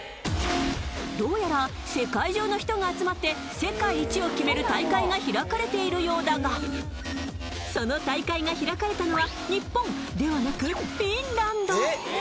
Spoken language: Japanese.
どうやら世界中の人が集まって世界一を決める大会が開かれているようだがその大会が開かれたのは日本ではなく、フィンランド。